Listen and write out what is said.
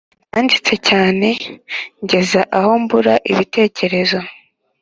nanditse cyane ngeza aho mbura ibitekerezo